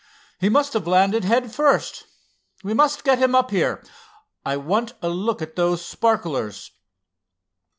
"He must have landed head first. We must get him up here. I want a look at those sparklers."